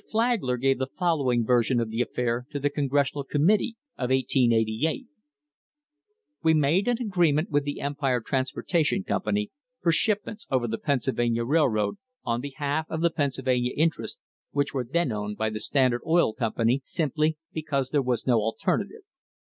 Flagler gave the following version of the affair to the Congressional Committee of 1888:— We made an agreement with the Empire Transportation Company for shipments over the Pennsylvania Railroad on behalf of the Pennsylvania interests, which were then owned by the Standard Oil Company, simply because there was no alternative.